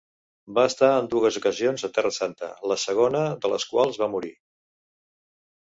Va estar en dues ocasions a Terra Santa, la segona de les quals va morir.